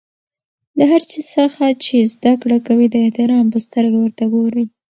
له هر شي څخه چي زدکړه کوى؛ د احترام په سترګه ورته ګورئ!